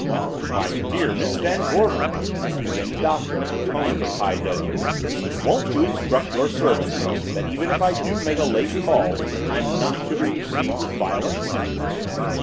"My dear Miss Van Gorder," began the Doctor in tones of high dudgeon, "won't you instruct your servants that even if I do make a late call, I am not to be received with violence?"